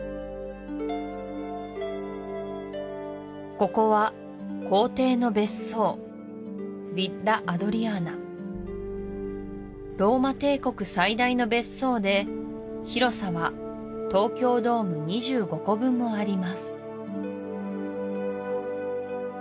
ここは皇帝の別荘ヴィッラ・アドリアーナローマ帝国最大の別荘で広さは東京ドーム２５個分もあります